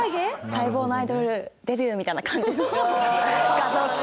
待望のアイドルデビューみたいな感じの画像を作ったりとかして。